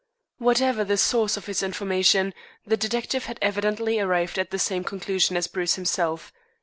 Whatever the source of his information, the detective had evidently arrived at the same conclusion as Bruce himself.